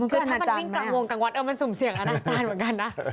คุณป่ะมันสูมเสี่ยงเหมือนกันนะ